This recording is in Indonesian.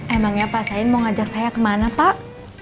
emangnya pak sain mau ngajak saya kemana pak